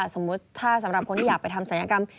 สมมุติถ้าสำหรับคนที่อยากไปทำศัยกรรม